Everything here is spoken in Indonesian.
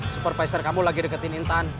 supervisor kamu lagi deketin intan